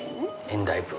エンダイブ。